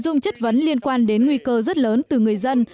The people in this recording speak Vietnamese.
nội dung chất vấn liên quan đến nguy cơ rất lớn từ người dân